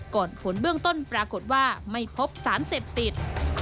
ผลเบื้องต้นปรากฏว่าไม่พบสารเสพติด